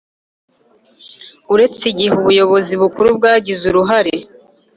Uretse igihe ubuyobozi bukuru bwagize uruhare